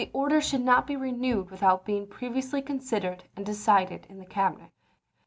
orders should not be renewed without being pre viously considered and decided in Cabinet."